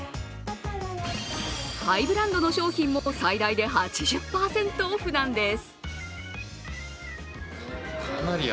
ハイブランドの商品も最大で８０％オフなんです。